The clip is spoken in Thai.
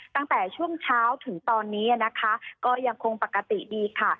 ตั้งแต่ช่วงเช้าถึงตอนนี้นะคะก็ยังคงปกติดีค่ะ